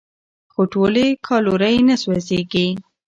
خو ټولې کالورۍ نه سوځېږي.